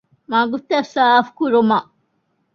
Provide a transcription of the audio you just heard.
މަގުތައް ސާފުކުރުމަށް